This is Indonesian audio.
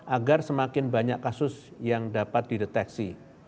agar semakin banyak kasus yang dapat dideteksi